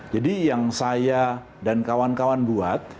jadi yang saya dan kawan kawan buat